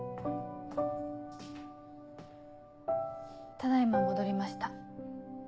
ただ今戻りました。